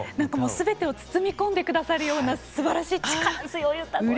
全てを包み込んでくださるようなすばらしい力強い歌声がもう。